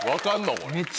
これ。